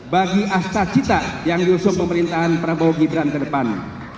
bagi asta cita yang diusung pemerintahan prabowo gibran ke depan